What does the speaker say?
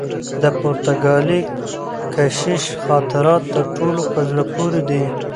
د پرتګالي کشیش خاطرات تر ټولو په زړه پوري دي.